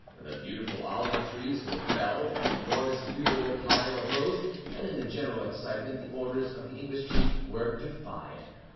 The beautiful olive trees were felled, an enormous funeral pyre arose, and in the general excitement the orders of the English chief were defied.